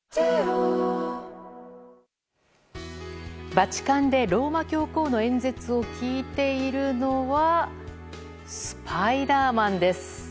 バチカンでローマ教皇の演説を聞いているのはスパイダーマンです。